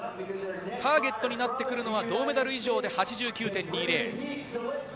ターゲットになってくるのは銅メダル以上で８９．２０。